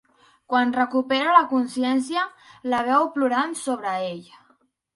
Quan recupera la consciència, la veu plorant sobre ell.